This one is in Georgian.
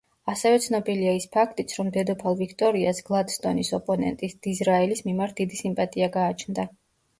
ასევე ცნობილია ის ფაქტიც, რომ დედოფალ ვიქტორიას გლადსტონის ოპონენტის, დიზრაელის მიმართ დიდი სიმპათია გააჩნდა.